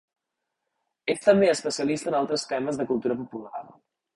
És també a especialista en altres temes de cultura popular.